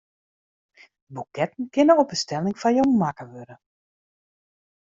Boeketten kinne op bestelling foar jo makke wurde.